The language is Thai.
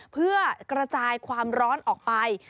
เพื่อกระจายความร้อนออกไป